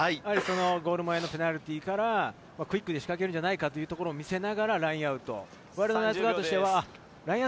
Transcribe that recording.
ゴール前のペナルティーから、クイックで仕掛けるのではないかというのを見せながらラインアウト。